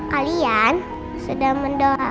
kalian sudah mendoa